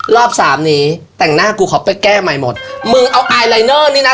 รอบสามนี้แต่งหน้ากูขอไปแก้ใหม่หมดมึงเอาไอลายเนอร์นี่นะ